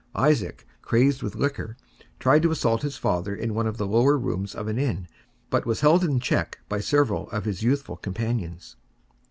Isaac, crazed with liquor, tried to assault his father in one of the lower rooms of an inn, but he was held in check by several of his youthful companions.